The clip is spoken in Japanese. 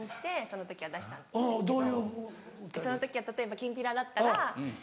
その時は例えばきんぴらだったら